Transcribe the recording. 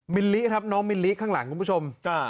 ลิครับน้องมิลลิข้างหลังคุณผู้ชม